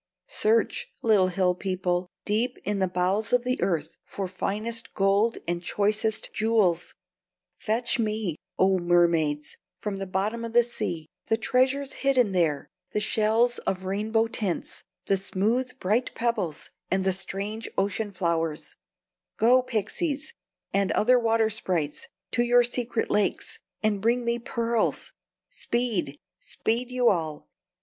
Search, little hill people, deep in the bowels of the earth for finest gold and choicest jewels; fetch me, O mermaids, from the bottom of the sea the treasures hidden there, the shells of rainbow tints, the smooth, bright pebbles, and the strange ocean flowers; go, pixies, and other water sprites, to your secret lakes, and bring me pearls! Speed! speed you all!